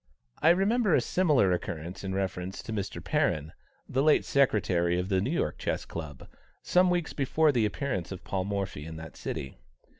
I remember a similar occurrence in reference to Mr. Perrin, the late secretary of the New York Chess Club, some weeks before the appearance of Paul Morphy in that city.